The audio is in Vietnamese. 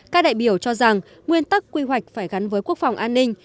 các đại biểu cho rằng nguyên tắc quy hoạch phải gắn với quốc phòng an ninh